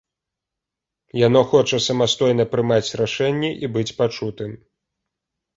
Яно хоча самастойна прымаць рашэнні і быць пачутым.